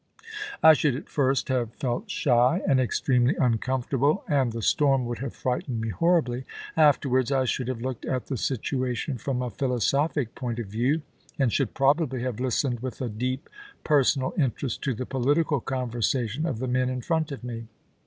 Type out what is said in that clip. I should at first have felt shy and extremely uncomfortable, and the storm would have frightened me horribly; afterwards I should have looked at the situation from a philosophic point of view, and should probably have listened with a deep, personal interest to the political conversation of the men in front of me.